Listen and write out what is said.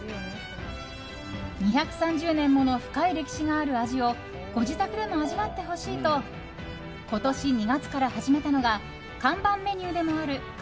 ２３０年もの深い歴史がある味をご自宅でも味わってほしいと今年２月から始めたのが看板メニューでもある鴨